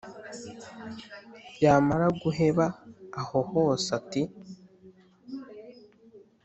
yamara guheba aho hose ati: